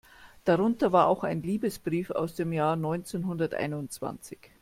Darunter war auch ein Liebesbrief aus dem Jahr neunzehnhunderteinundzwanzig.